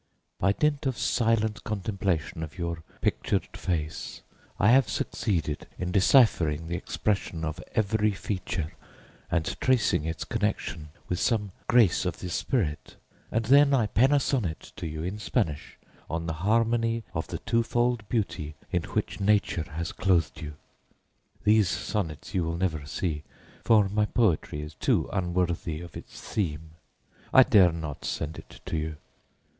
By dint of silent contemplation of your pictured face, I have succeeded in deciphering the expression of every feature and tracing its connection with some grace of the spirit, and then I pen a sonnet to you in Spanish on the harmony of the twofold beauty in which nature has clothed you. These sonnets you will never see, for my poetry is too unworthy of its theme, I dare not send it to you.